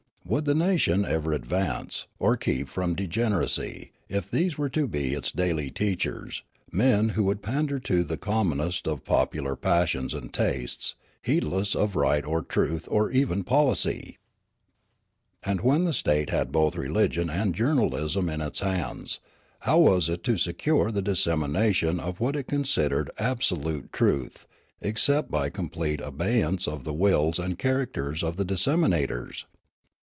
Would the nation ever advance, or keep from degen eracy, if these were to be its daily teachers, men who would pander to the commonest of popular passions and tastes, heedless of right or truth or even policN' ? And when the state had both religion and journalism 8o Riallaro in its hands, how was it to secure the dissemination of what it considered absolute truth except bs complete abeyance of the wills and characters of the dissemin ators